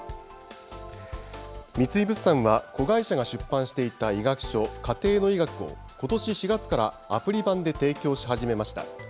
三井物産は、子会社が出版していた医学書、家庭の医学をことし４月からアプリ版で提供し始めました。